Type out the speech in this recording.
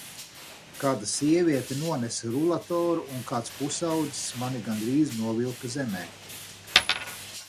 Kāda sieviete nonesa rulatoru un kāds pusaudzis mani gandrīz novilka zemē.